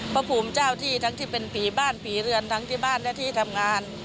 พระภูมิเจ้าที่ทั้งที่เป็นผีบ้านผีเรือนทั้งที่บ้านและที่ทำงาน